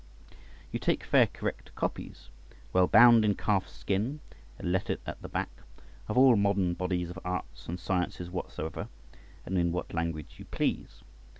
You take fair correct copies, well bound in calf's skin and lettered at the back, of all modern bodies of arts and sciences whatsoever, and in what language you please.